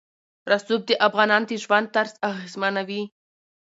رسوب د افغانانو د ژوند طرز اغېزمنوي.